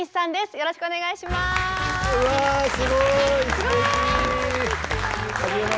よろしくお願いします。